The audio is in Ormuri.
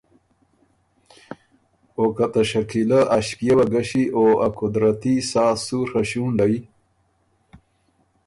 او که ته شکیلۀ اݭپيېوه ګݭی او ا قدرتي سا سُوره ݭُونډئ